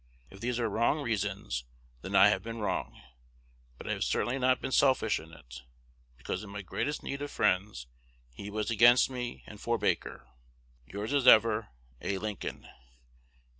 If these are wrong reasons, then I have been wrong; but I have certainly not been selfish in it, because, in my greatest need of friends, he was against me and for Baker. Yours as ever, A. Lincoln.